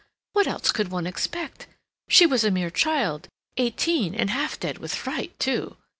What else could one expect? She was a mere child—eighteen—and half dead with fright, too.